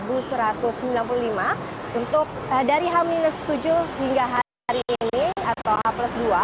untuk dari h tujuh hingga hari ini atau h dua